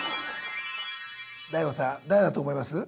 ＤＡＩＧＯさん誰だと思います？